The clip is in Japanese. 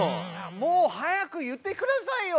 もう早く言ってくださいよ！